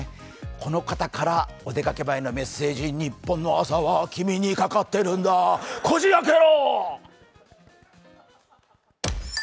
この方からお出かけ前のメッセージ、ニッポンの朝は君にかかってるんだ、こじ開けろ！